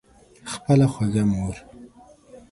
خپله خوږه مور